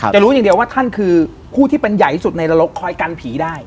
รู้อย่างเดียวว่าท่านคือผู้ที่เป็นใหญ่ที่สุดในนรกคอยกันผีได้